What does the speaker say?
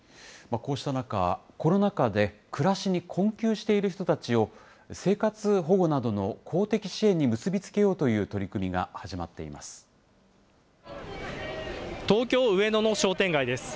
こうした中、コロナ禍で暮らしに困窮している人たちを、生活保護などの公的支援に結び付けようという取り組みが始まっていま東京・上野の商店街です。